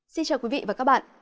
xin chào quý vị và các bạn